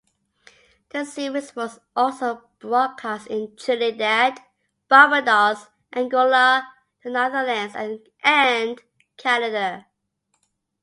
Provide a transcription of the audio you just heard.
The Series was also broadcast in Trinidad, Barbados, Angola, the Netherlands and Canada.